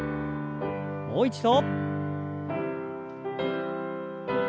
もう一度。